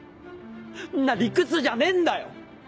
んな理屈じゃねえんだよ！